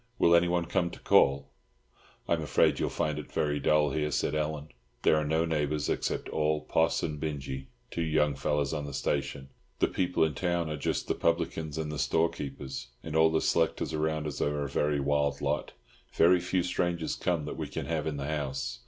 Will anyone come to call?" "I'm afraid you'll find it very dull here," said Ellen. "There are no neighbours at all except Poss and Binjie, two young fellows on the next station. The people in town are just the publicans and the storekeeper, and all the selectors around us are a very wild lot. Very few strangers come that we can have in the house.